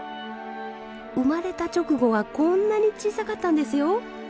生まれた直後はこんなに小さかったんですよ。